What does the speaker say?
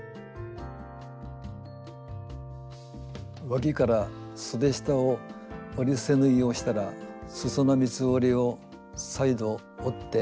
わきからそで下を折り伏せ縫いをしたらすその三つ折りを再度折って。